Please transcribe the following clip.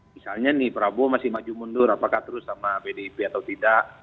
misalnya nih prabowo masih maju mundur apakah terus sama pdip atau tidak